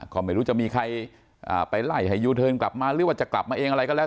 ก็ไม่รู้จะมีใครไปไล่ให้ยูเทิร์นกลับมาหรือว่าจะกลับมาเองอะไรก็แล้ว